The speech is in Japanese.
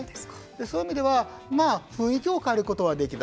そういう意味では雰囲気を変えることはできた。